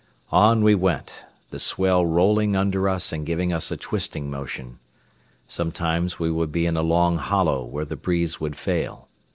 On we went, the swell rolling under us and giving us a twisting motion. Sometimes we would be in a long hollow where the breeze would fail.